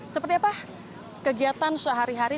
seperti apa kegiatan sehari hari